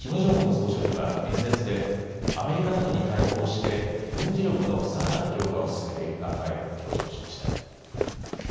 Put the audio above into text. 総書記は演説でアメリカなどに対抗して軍事力のさらなる強化を進めていく考えを強調しました。